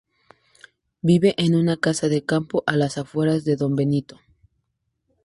Vive en una casa de campo a las afueras de Don Benito.